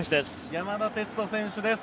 山田哲人選手です。